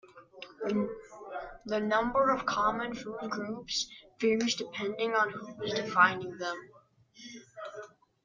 The number of "common" food groups varies depending on who is defining them.